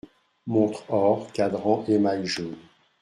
montre or, cadran émail jaune.